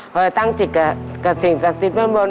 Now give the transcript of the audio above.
พอไปตั้งจิตกับสิ่งศักดิ์สิทธิ์เบื้องบน